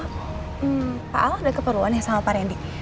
hmm pa allah udah keperluan ya sama pak rendy